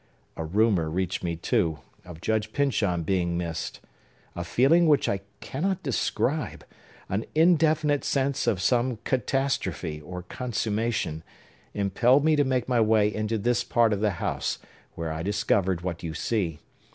A rumor reached me, too, of Judge Pyncheon being missed. A feeling which I cannot describe—an indefinite sense of some catastrophe, or consummation—impelled me to make my way into this part of the house, where I discovered what you see.